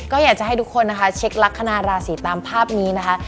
ก็อยากจะให้ทุกคนนะคะเช็คลักษณะราศีตามภาพนี้นะคะ